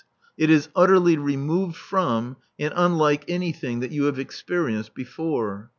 It is utterly removed from and unlike anything that you have experienced before.